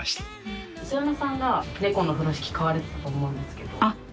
磯山さんが猫の風呂敷買われてたと思うんですけど。